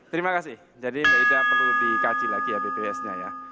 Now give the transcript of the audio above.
terima kasih jadi mbak ida perlu dikaji lagi ya bps nya ya